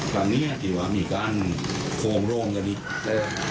ตอนนี้ที่ว่ามีการโกงโรงกันอีก